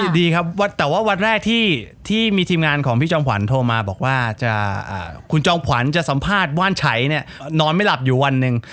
ดีครับแต่ว่าวันแรกที่มีทีมงานของพี่จอมขวัญโทรมาบอกว่าคุณจอมขวัญจะสัมภาษณ์ว่านชัยเนี่ยนอนไม่หลับอยู่วันหนึ่ง